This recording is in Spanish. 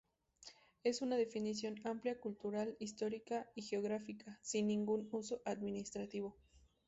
Es una definición amplia cultural, histórica y geográfica, sin ningún uso administrativo.